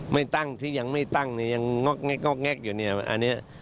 ไม่ตั้งที่ยังไม่ตั้งยังง็อกแง๊กอยู่อันนี้